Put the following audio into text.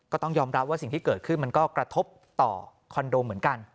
ก็ต้องยอมรับว่าสิ่งที่เกิดขึ้นมันก็กระทบต่อคอนโดเหมือนกัน